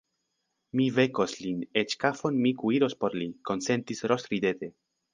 Mi vekos lin, eĉ kafon mi kuiros por li, konsentis Ros ridete.